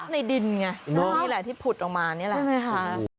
ก็เรียกทรัพย์ในดินไงนี่แหละที่ผุดออกมานี่แหละ